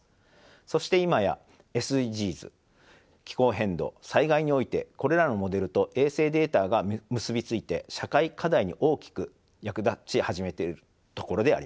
そして今やＳＤＧｓ気候変動災害においてこれらのモデルと衛星データが結び付いて社会課題に大きく役立ち始めているところであります。